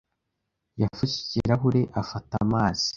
yafashe ikirahure afata amazi.